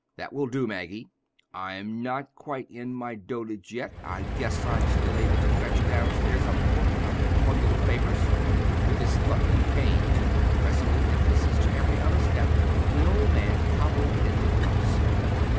"That will do, Maggie. I'm not quite in my dotage yet. I guess I'm still able to fetch downstairs a book and a bundle of papers." With his thumping cane a resolute emphasis to every other step, the old man hobbled into the house.